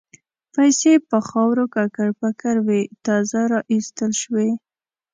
پیسې په خاورو ککړ پکر وې تازه را ایستل شوې.